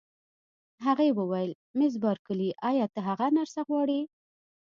هغې وویل: مس بارکلي، ایا ته هغه نرسه غواړې؟